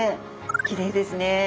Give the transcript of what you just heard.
きれいですね。